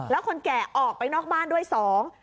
แล้วคนแก่ออกไปนอกบ้านด้วยสอง